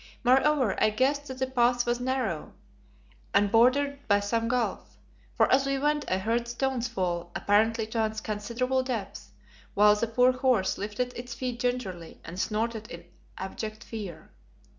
Moreover, I guessed that the path was narrow and bordered by some gulf, for as we went I heard stones fall, apparently to a considerable depth, while the poor horse lifted its feet gingerly and snorted in abject fear.